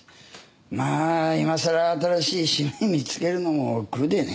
まあいまさら新しい趣味を見つけるのも億劫でね。